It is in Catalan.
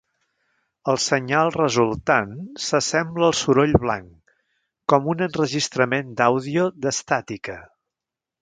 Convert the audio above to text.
El senyal resultant s'assembla al soroll blanc, com un enregistrament d'àudio d'"estàtica".